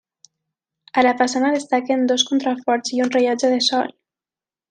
A la façana destaquen dos contraforts i un rellotge de sol.